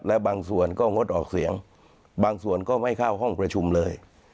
และบางส่วนก็งดออกเสียงบางส่วนก็ไม่เข้าห้องประชุมเลย